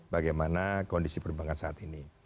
bagaimana kondisi perbankan saat ini